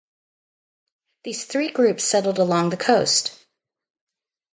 These three groups settled along the coast.